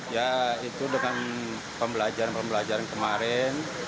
ya itu dengan pembelajaran pembelajaran kemarin